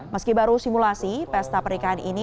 meski baru simulasi pesta pernikahan ini